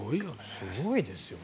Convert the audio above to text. すごいですよね。